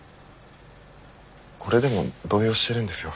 これでも動揺してるんですよ